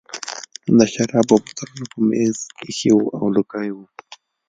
د شرابو بوتلونه په مېز ایښي وو او لوګي وو